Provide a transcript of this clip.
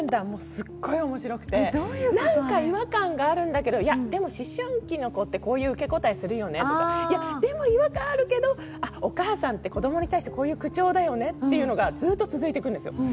すっごいおもしろくて何か違和感があるんだけど、いや、でも、思春期の子供ってこういう受け答えするよねとか、でも違和感あるけど、お母さんって子供に対してこういう口調だよねっていうのがずーっと続いていくんですよ。